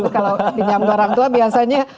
kalau pinjam dari orang tua biasanya